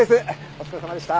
お疲れさまでした。